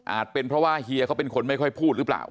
เป็นเพราะว่าเฮียเขาเป็นคนไม่ค่อยพูดหรือเปล่า